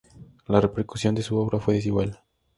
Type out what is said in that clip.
La repercusión de su obra fue desigual.